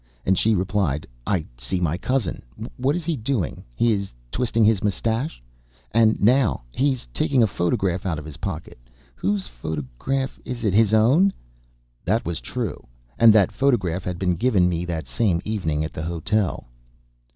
And she replied: "I see my cousin." "What is he doing?" "He is twisting his moustache." "And now?" "He is taking a photograph out of his pocket." "Whose photograph is it?" "His own." That was true, and that photograph had been given me that same evening at the hotel.